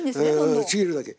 うんちぎるだけ。